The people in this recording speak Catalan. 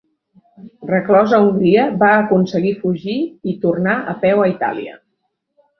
Reclòs a Hongria, va aconseguir fugir i tornà a peu a Itàlia.